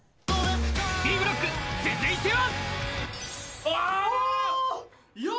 Ｂブロック、続いては。